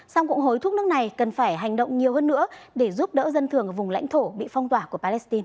song cũng hối thúc nước này cần phải hành động nhiều hơn nữa để giúp đỡ dân thường ở vùng lãnh thổ bị phong tỏa của palestine